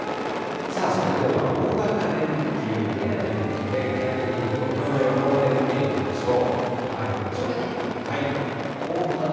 それでは大型連休の天気ね、具体的に東京の予報で見ていきましょ東京ですね。